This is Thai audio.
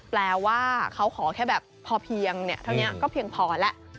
แปลว่าเขาขอแค่แบบพอเพียงเท่านี้ก็เพียงพอแล้ว